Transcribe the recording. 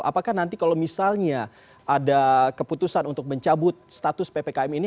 apakah nanti kalau misalnya ada keputusan untuk mencabut status ppkm ini